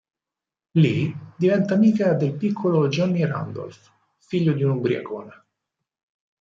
Lì, diventa amica del piccolo Johnny Randolph, figlio di un ubriacone.